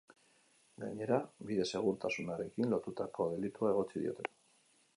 Gainera, bide-segurtasunarekin lotutako delitua egotzi diote.